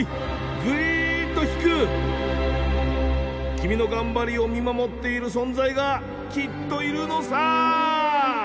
君の頑張りを見守っている存在がきっといるのさ！